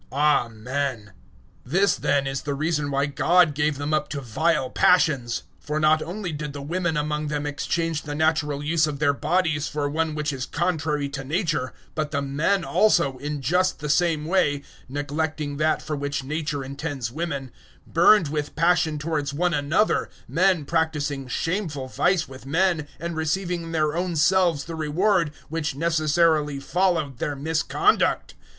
Amen. 001:026 This then is the reason why God gave them up to vile passions. For not only did the women among them exchange the natural use of their bodies for one which is contrary to nature, but the men also, 001:027 in just the same way neglecting that for which nature intends women burned with passion towards one another, men practising shameful vice with men, and receiving in their own selves the reward which necessarily followed their misconduct.